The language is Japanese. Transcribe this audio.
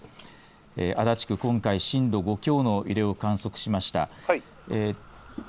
足立区、今回、震度５強の揺れを観測しました。